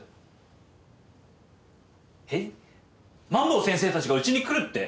萬坊先生たちがうちに来るって！？